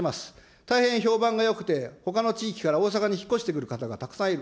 大変評判がよくて、ほかの地域から大阪に引っ越してくる方、たくさんいる。